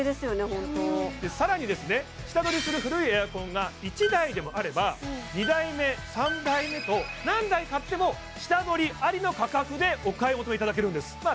ホント更にですね下取りする古いエアコンが１台でもあれば２台目３台目と何台買っても下取りありの価格でお買い求めいただけるんですま